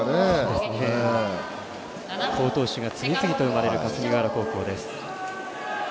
好投手が次々と生まれる霞ヶ浦高校です。